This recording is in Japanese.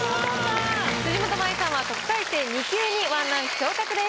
辻元舞さんは特待生２級に１ランク昇格です。